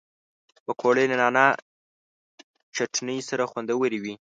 پکورې له نعناع چټني سره خوندورې وي